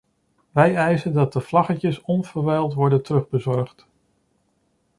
Wij eisen dat de vlaggetjes onverwijld worden terugbezorgd.